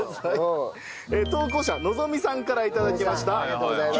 投稿者のぞみさんから頂きました。